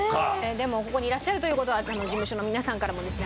でもここにいらっしゃるという事は事務所の皆さんからもですね